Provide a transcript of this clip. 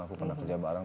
aku pernah kerja bareng